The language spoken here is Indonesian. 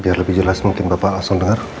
biar lebih jelas mungkin bapak langsung dengar